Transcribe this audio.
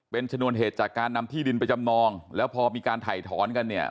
เป็นชนวนเหตุจากการนำที่ดินไปจำนองแล้วพอมีการถ่ายถอนกันเนี่ย